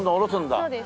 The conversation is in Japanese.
そうです。